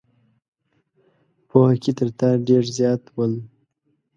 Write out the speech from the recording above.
پوهه کې تر تا ډېر زیات ول.